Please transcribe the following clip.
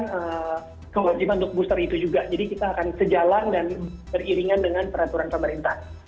kemudian kewajiban untuk booster itu juga jadi kita akan sejalan dan beriringan dengan peraturan pemerintah